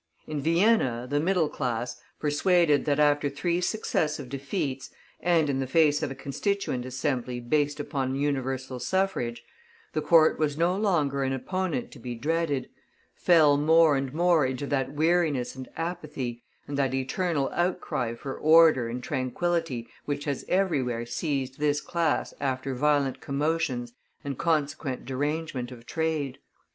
In Vienna the middle class, persuaded that after three successive defeats, and in the face of a Constituent Assembly based upon universal suffrage, the Court was no longer an opponent to be dreaded, fell more and more into that weariness and apathy, and that eternal outcry for order and tranquillity, which has everywhere seized this class after violent commotions and consequent derangement of trade.